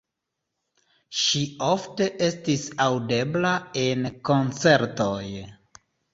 Ŝi ofte estis aŭdebla en koncertoj.